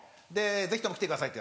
「ぜひとも来てください」